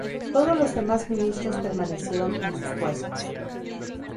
Todos los demás ministros permanecieron en sus puestos.